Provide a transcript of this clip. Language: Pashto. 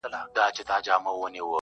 په هر ځای کي چي مي وغواړی حضور یم٫